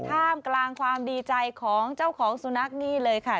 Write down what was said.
ท่ามกลางความดีใจของเจ้าของสุนัขนี่เลยค่ะ